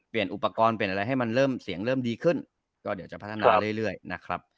อุปกรณ์เปลี่ยนอะไรให้มันเริ่มเสียงเริ่มดีขึ้นก็เดี๋ยวจะพัฒนาเรื่อยนะครับ